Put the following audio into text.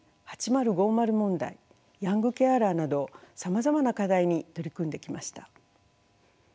問題ヤングケアラーなどさまざまな課題に取り組んできました。